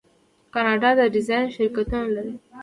کاناډا د ډیزاین شرکتونه لري.